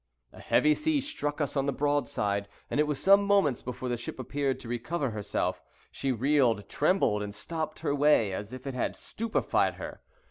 A heavy sea struck us on the broadside, and it was some moments before the ship appeared to recover herself; she reeled, trembled, and stopped her way, as if it had stupefied her.